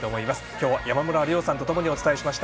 今日は、山村亮さんとともにお伝えしました。